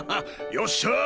よっしゃあ！